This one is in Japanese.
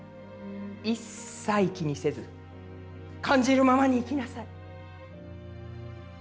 一切気にせず感じるままに生きなさい。